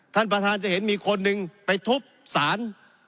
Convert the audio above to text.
ท่านประธานจะเห็นมีคนหนึ่งไปทุบสาร